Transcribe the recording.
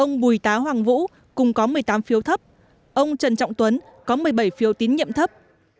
ông bùi tá hoàng vũ cùng có một mươi tám phiếu thấp ông trần trọng tuấn có một mươi bảy phiếu tín nhiệm thấp